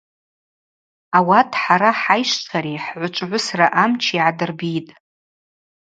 Ауат хӏара хӏайщчвари хӏгӏвычӏвгӏвысра амчи гӏадырбитӏ.